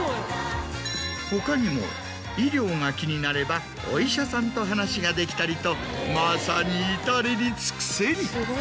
他にも医療が気になればお医者さんと話ができたりとまさに至れり尽くせり。